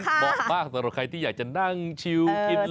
เพราะฉะนั้นบอกมากสำหรับใครที่อยากจะนั่งชิวกินลม